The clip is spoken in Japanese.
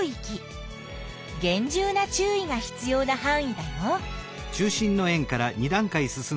げん重な注意が必要なはん囲だよ。